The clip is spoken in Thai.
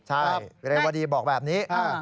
ใช่เรวดีบอกแบบนี้